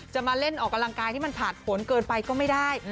จะมาเล่นออกกำลังกายที่มันผ่านผลเกินไปก็ไม่ได้